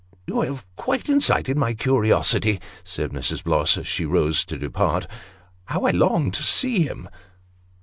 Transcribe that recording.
" You have quite incited my curiosity," said Mrs. Bloss, as she rose to depart. " How I long to see him